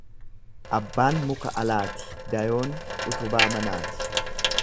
Abbaan muka alaati dayoon utubaa manaati.